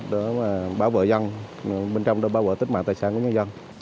để bão vỡ dân bên trong đó bão vỡ tích mạng tài sản của những dân